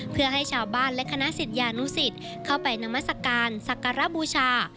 เพื่อให้ชาวบ้านและคณะศิษยานุสิตเข้าไปนามัศกาลศักระบูชา